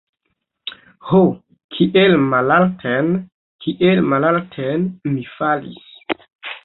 Ho, kiel malalten, kiel malalten mi falis!